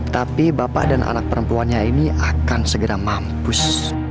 tapi bapak dan anak perempuannya ini akan segera mampus